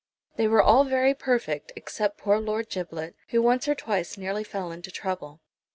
They were all very perfect, except poor Lord Giblet, who once or twice nearly fell into trouble.